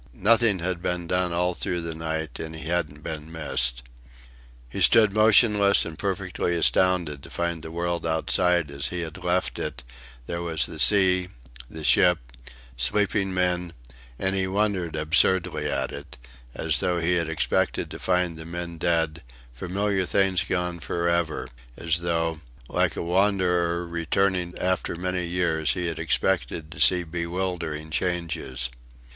Nothing had been done all through the night and he hadn't been missed. He stood motionless and perfectly astounded to find the world outside as he had left it; there was the sea, the ship sleeping men; and he wondered absurdly at it, as though he had expected to find the men dead, familiar things gone for ever: as though, like a wanderer returning after many years, he had expected to see bewildering changes.